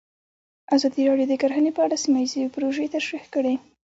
ازادي راډیو د کرهنه په اړه سیمه ییزې پروژې تشریح کړې.